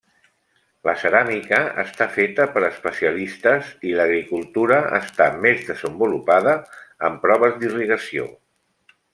La ceràmica està feta per especialistes, i l'agricultura està més desenvolupada amb proves d'irrigació.